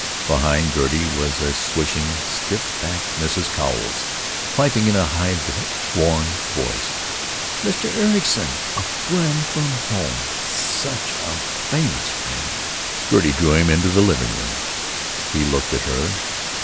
Behind Gertie was a swishing, stiff backed Mrs. Cowles, piping in a high, worn voice: "Mr. Ericson! A friend from home! And such a famous friend!" Gertie drew him into the living room. He looked at her.